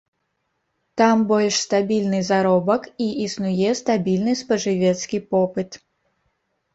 Там больш стабільны заробак і існуе стабільны спажывецкі попыт.